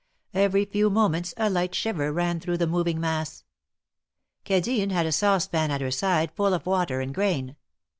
Every few moments a light shiver ran through the moving mass. Cadine had a saucepan at her side full of water and grain.